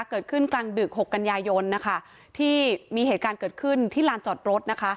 เกิดขึ้นกลางดึกหกกันยายนนะคะที่มีเหตุการณ์เกิดขึ้นที่ลานจอดรถนะคะ